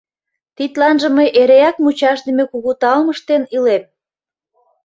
Тидланже мый эреак мучашдыме кугу таум ыштен илем.